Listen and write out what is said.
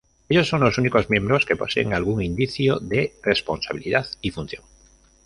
Ellos son los únicos miembros que poseen algún indicio de responsabilidad y función.